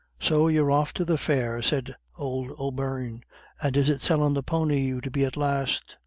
"So you're off to the fair," said old O'Beirne. "And is it sellin' the pony you'd be at last?